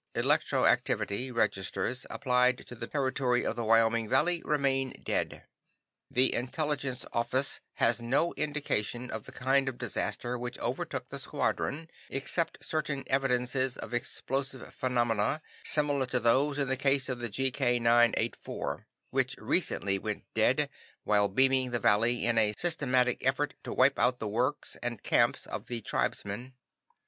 Electroactivity registers applied to the territory of the Wyoming Valley remain dead. "The Intelligence Office has no indication of the kind of disaster which overtook the squadron except certain evidences of explosive phenomena similar to those in the case of the GK 984, which recently went dead while beaming the valley in a systematic effort to wipe out the works and camps of the tribesmen.